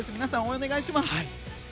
皆さん、お願いします。